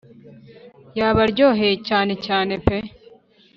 yabaryoheye cyane cyane pe